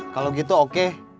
kalau gitu oke